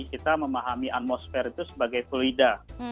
kita memahami atmosfer itu sebagai fluida